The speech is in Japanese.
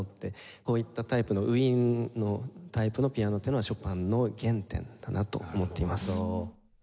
こういったタイプのウィーンのタイプのピアノっていうのはショパンの原点だなと思っています。